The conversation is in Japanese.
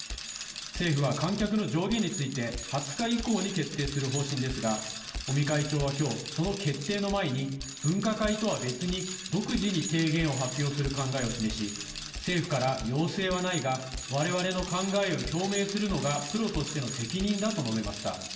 政府は観客の上限について、２０日以降に決定する方針ですが、尾身会長はきょう、その決定の前に、分科会とは別に、独自に提言を発表する考えを示し、政府から要請はないが、われわれの考えを表明するのがプロとしての責任だと述べました。